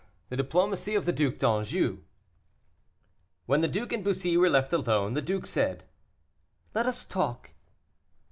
THE DIPLOMACY OF THE DUC D'ANJOU. When the duke and Bussy were left alone, the duke said, "Let us talk."